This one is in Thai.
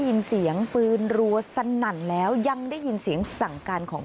ได้ยินเสียงปืนรัวสนั่นแล้วยังได้ยินเสียงสั่งการของ